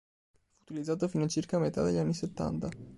Fu utilizzato fino a circa metà degli anni settanta.